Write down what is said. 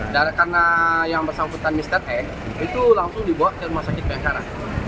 karena yang bersangkutan mister e itu langsung dibawa ke rumah sakit bayangkara